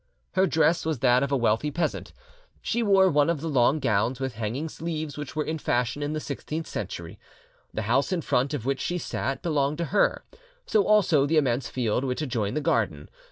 Her dress was that of a wealthy peasant; and she wore one of the long gowns with hanging sleeves which were in fashion in the sixteenth century. The house in front of which she sat belonged to her, so also the immense field which adjoined the garden.